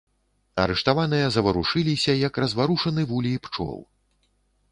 Арыштаваныя заварушыліся, як разварушаны вулей пчол.